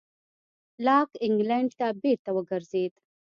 لاک انګلېنډ ته بېرته وګرځېد.